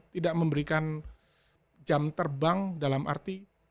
tidak memberikan jam terbang dalam arti